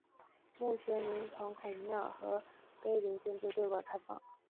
目前连同孔庙和碑林建筑对外开放。